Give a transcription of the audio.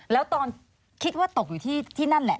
แล้วตอนคิดว่าตกอยู่ที่นั่นแหละ